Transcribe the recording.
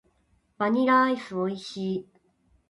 バニラアイス美味しい。